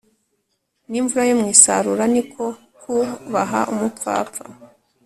n imvura yo mu isarura Ni ko k baha umupfapfa